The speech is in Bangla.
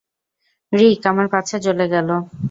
রিক, আমার পাছা জ্বলে গেল!